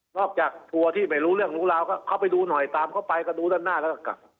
จากทัวร์ที่ไม่รู้เรื่องรู้ราวก็เข้าไปดูหน่อยตามเข้าไปก็ดูด้านหน้าแล้วก็กลับ